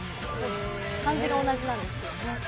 漢字が同じなんですよね。